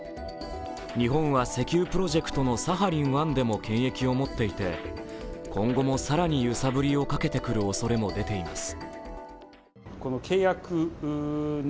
日本は石油プロジェクトのサハリン１でも権益を持っていて今後も更に揺さぶりをかけてくる恐れも出ています。